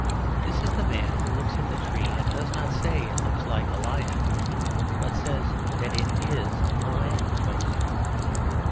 This is the man who looks at the tree and does not say it looks like a lion, but says that it is a lamp post.